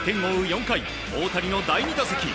４回、大谷の第２打席。